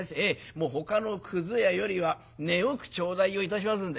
もうほかのくず屋よりは値よく頂戴をいたしますんで。